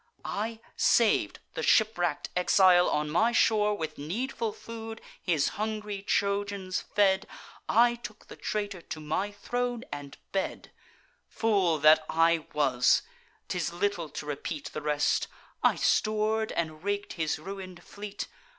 I sav'd the shipwreck'd exile on my shore; With needful food his hungry Trojans fed; I took the traitor to my throne and bed: Fool that I was—— 'tis little to repeat The rest, I stor'd and rigg'd his ruin'd fleet.